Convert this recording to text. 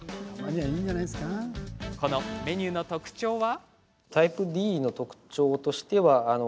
このメニューの特徴は？